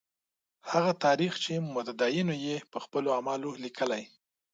هغه تاریخ چې متدینو یې په خپلو اعمالو لیکلی.